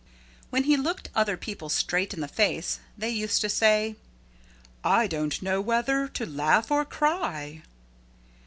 When he looked other people straight in the face they used to say, "I don't know whether to laugh or cry."